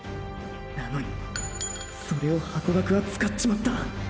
なのにそれをハコガクは使っちまった。